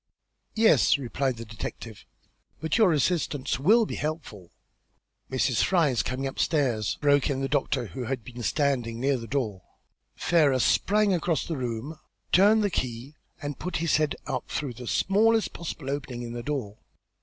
"Yes," replied the detective, "but your assistance will be helpful." "Mrs. Fry is coming upstairs," broke in the doctor, who had been standing near the door. Ferrars sprang across the room, turned the key, and put his head out through the smallest possible opening in the door.